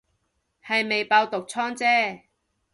係未爆毒瘡姐